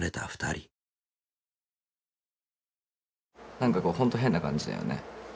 何かこうほんと変な感じだよね。